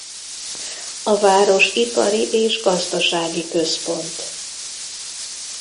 A város ipari és gazdasági központ.